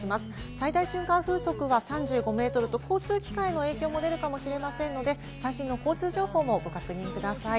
最大瞬間風速はこちら、交通機関への影響も出るかもしれませんので、最新の交通情報もご確認ください。